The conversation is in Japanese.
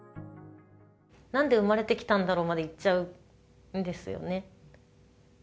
なんで生まれてきたんだろうまでいっちゃうんですよね。